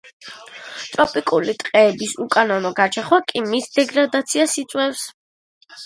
ტროპიკული ტყეების უკანონო გაჩეხვა კი მის დეგრადაციას იწვევს.